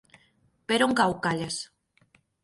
Per on cau Calles?